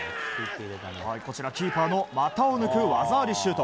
キーパーの股を抜く技ありシュート。